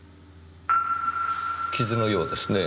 傷のようですね。